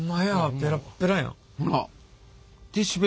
ペラッペラや。